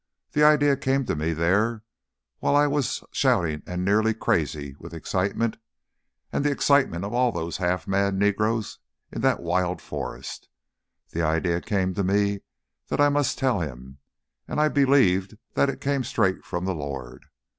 The idea came to me up there while I was shouting and nearly crazy with excitement and the excitement of all those half mad negroes in that wild forest, the idea came to me that I must tell him, and I believed that it came straight from the Lord.